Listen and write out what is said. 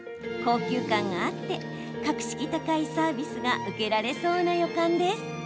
高級感があって格式高いサービスが受けられそうな予感です。